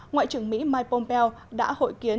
ngoại trưởng mỹ mike pompeo đã hội kiến